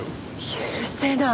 許せない。